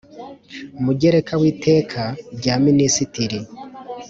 mugereka w Iteka rya Minisitiri